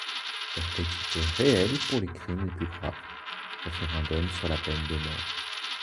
Perpétuité réelle pour les crimes les plus graves, référendum sur la peine de mort.